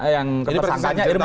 yang ketersangkanya irman